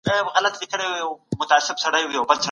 ایا سړي سر عاید زیاتوالی موندلی دی؟